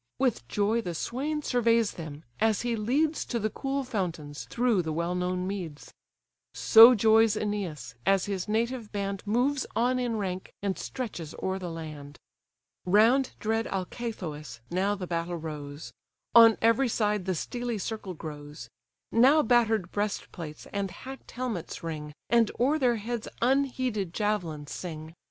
With joy the swain surveys them, as he leads To the cool fountains, through the well known meads: So joys Æneas, as his native band Moves on in rank, and stretches o'er the land. Round dread Alcathous now the battle rose; On every side the steely circle grows; Now batter'd breast plates and hack'd helmets ring, And o'er their heads unheeded javelins sing.